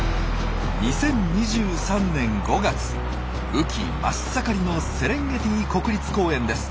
雨季真っ盛りのセレンゲティ国立公園です。